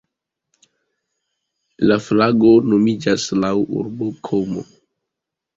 La lago nomiĝas laŭ urbo Como.